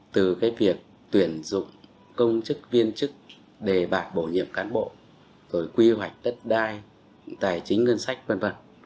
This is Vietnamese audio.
từ cái việc tuyển dụng công chức viên chức đề bạc bổ nhiệm cán bộ rồi quy hoạch đất đai tài chính ngân sách v v